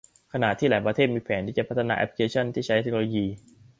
ขณะที่หลายประเทศมีแผนที่จะพัฒนาแอพลิเคชันที่ใช้เทคโนโลยี